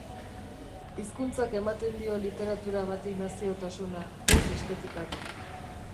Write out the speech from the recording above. Hizkuntzak ematen dio literatura bati naziotasuna, ez estetikak.